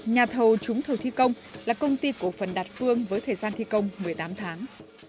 nhà thầu trúng thầu thi công là công ty cổ phần đạt phương với thời gian thi công một mươi tám tháng